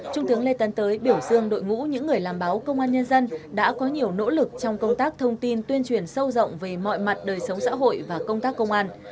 trung tướng lê tấn tới biểu dương đội ngũ những người làm báo công an nhân dân đã có nhiều nỗ lực trong công tác thông tin tuyên truyền sâu rộng về mọi mặt đời sống xã hội và công tác công an